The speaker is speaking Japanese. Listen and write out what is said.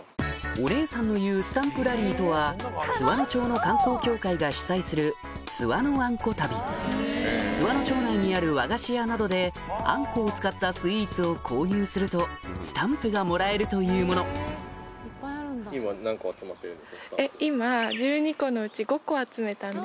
お姉さんの言うスタンプラリーとは津和野町の観光協会が主催する「津和野あんこ旅」津和野町内にある和菓子屋などであんこを使ったスイーツを購入するとスタンプがもらえるというものすいません